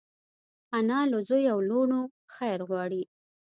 انا له زوی او لوڼو خیر غواړي